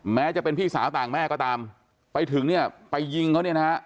แม้จะเป็นพี่สาวต่างแม่ก็ตามไปถึงเนี่ยไปยิงเขาเนี่ยนะฮะ